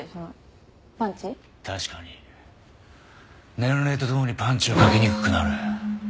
年齢とともにパンチはかけにくくなる。